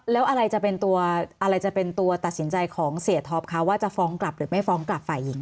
แล้วอะไรจะเป็นตัวอะไรจะเป็นตัวตัดสินใจของเสียท็อปคะว่าจะฟ้องกลับหรือไม่ฟ้องกลับฝ่ายหญิง